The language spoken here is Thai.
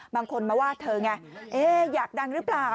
บางคนมาว่าเธอไงอยากดังหรือเปล่า